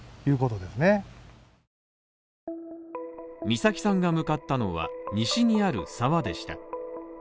美咲さんが向かったのは西にある沢でした。